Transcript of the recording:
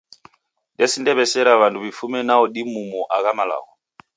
Nesindaw'esera w'andu w'ifume nao dimumuo agha malagho.